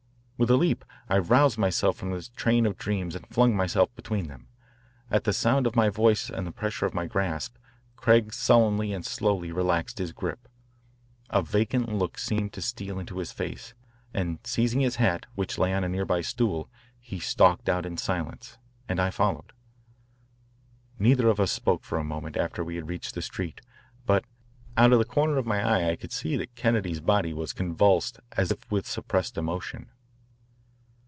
With a leap I roused myself from the train of dreams and flung myself between them. At the sound of my voice and the pressure of my grasp, Craig sullenly and slowly relaxed his grip. A vacant look seemed to steal into his face, and seizing his hat, which lay on a near by stool, he stalked out in silence, and I followed. Neither of us spoke for a moment after we had reached the street, but out of the corner of my eye I could see that Kennedy's body was convulsed as if with suppressed emotion.